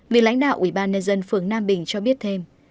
vị lãnh đạo ubnd phương nam bình cho biết thêm